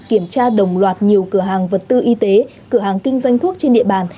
kiểm tra đồng loạt nhiều cửa hàng vật tư y tế cửa hàng kinh doanh thuốc trên địa bàn